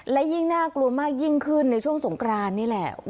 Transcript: และยิ่งน่ากลัวมากยิ่งขึ้นในช่วงสงกรานนี่แหละ